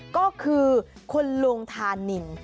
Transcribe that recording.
ก็คือคุณลุงธานิน